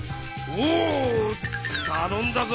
おたのんだぞ！